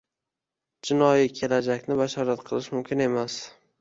Jinoiy kelajakni bashorat qilish mumkin emas.